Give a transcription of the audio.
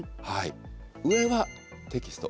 上はテキスト。